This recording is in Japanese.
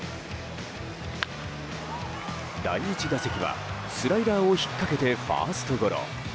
第１打席はスライダーをひっかけてファーストゴロ。